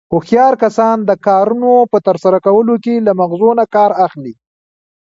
هوښیار کسان د کارنو په ترسره کولو کې له مغزو نه کار اخلي.